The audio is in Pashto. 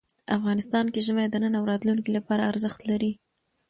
افغانستان کې ژمی د نن او راتلونکي لپاره ارزښت لري.